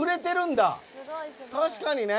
確かにね。